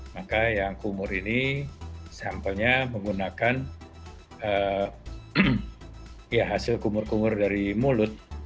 maka yang kumur ini sampelnya menggunakan hasil kumur kumur dari mulut